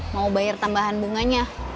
mau bayar tambahan bunganya